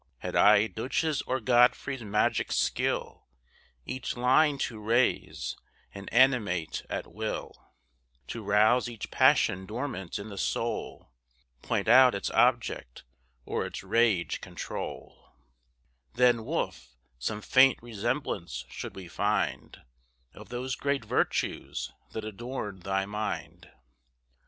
Had I Duché's or Godfrey's magic skill, Each line to raise, and animate at will To rouse each passion dormant in the soul, Point out its object, or its rage control Then, Wolfe, some faint resemblance should we find Of those great virtues that adorned thy mind.